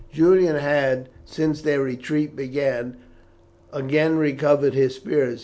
Julian had, since their retreat began, again recovered his spirits.